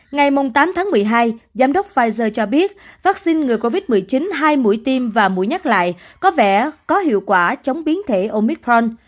ngày tám tháng một mươi hai giám đốc pfizer cho biết vaccine ngừa covid một mươi chín hai mũi tim và mũi nhắc lại có vẻ có hiệu quả chống biến thể omitron